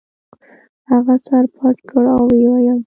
هغه سر پټ کړ او ویې ویل.